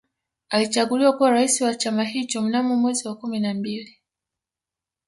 Alichaguliwa kuwa Rais wa chama hicho Mnamo mwezi wa kumi na mbili